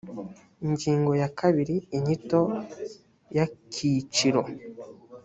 ingingo ya kabiri inyito y akiciro